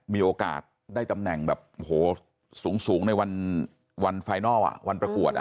มีโอกาสได้ตำแหน่งสูงในวันประกวด